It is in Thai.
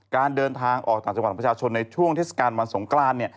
การเดินทางออกต่างจังหวัดของประชาชนในช่วงเทศกาลวันสงกรานเนี่ย